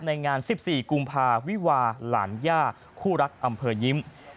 ในงาน๑๔กุมภาวิวาหลานย่าคู่รักอำเภอยิ้ม